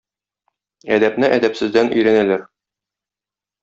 Әдәпне әдәпсездән өйрәнәләр